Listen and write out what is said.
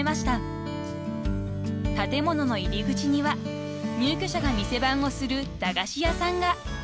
［建物の入り口には入居者が店番をする駄菓子屋さんが］